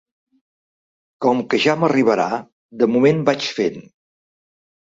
Com que ja m'arribarà, de moment vaig fent.